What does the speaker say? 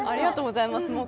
ありがとうございます。